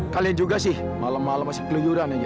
kalian juga malam malam masih kelejuran saja